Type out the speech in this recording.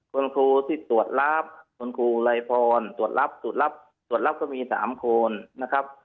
คุณครูที่ตรวจรับคุณครูไรพรตรวจรับตรวจรับตรวจรับก็มี๓คนนะครับ